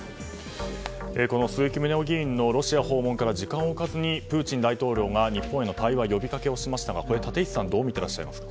鈴木宗男議員のロシア訪問から時間を置かずにプーチン大統領が日本への対話呼びかけをしましたが立石さんどう見ていらっしゃいますか。